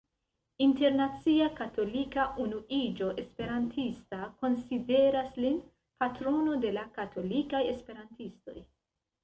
Internacia Katolika Unuiĝo Esperantista konsideras lin patrono de la katolikaj esperantistoj.